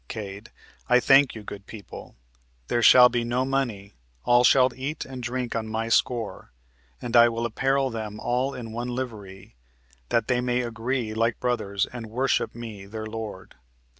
Cade. I thank you, good people there shall be no money; all shall eat and drink on my score, and I will apparel them all in one livery, that they may agree like brothers and worship me their lord."